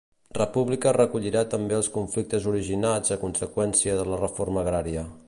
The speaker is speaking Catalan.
República recollirà també els conflictes originats a conseqüència de la reforma agrària.